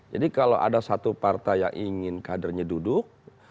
jadi kalau ada satu partai yang ingin kadernya duduk